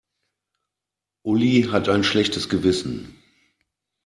Uli hat ein schlechtes Gewissen.